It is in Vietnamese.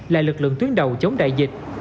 là lực lượng tuyến đầu chống đại dịch